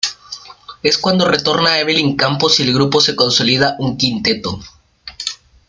Es cuando retorna Evelyn Campos y el grupo se consolida como un quinteto.